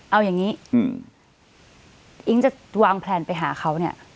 เอาอย่างนี้อิ๊งจะวางแพลนไปหาเขาเนี่ย